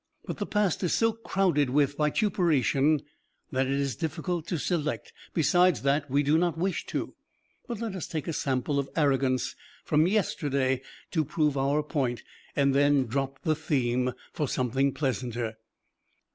But the past is so crowded with vituperation that it is difficult to select besides that, we do not wish to but let us take a sample of arrogance from yesterday to prove our point, and then drop the theme for something pleasanter.